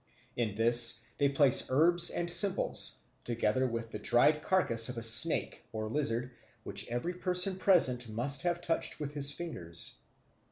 In this they place herbs and simples, together with the dried carcase of a snake, or lizard, which every person present must first have touched with his fingers.